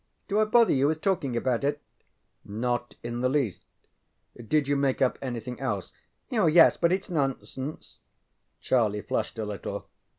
Do I bother you with talking about it? ŌĆØ ŌĆ£Not in the least. Did you make up anything else? ŌĆØ ŌĆ£Yes, but itŌĆÖs nonsense. ŌĆØ Charlie flushed a little.